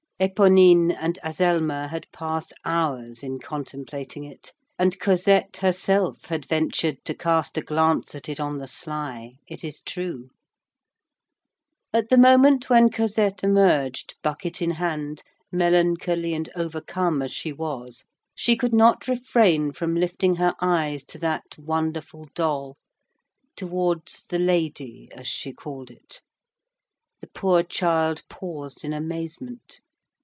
Éponine and Azelma had passed hours in contemplating it, and Cosette herself had ventured to cast a glance at it, on the sly, it is true. At the moment when Cosette emerged, bucket in hand, melancholy and overcome as she was, she could not refrain from lifting her eyes to that wonderful doll, towards the lady, as she called it. The poor child paused in amazement.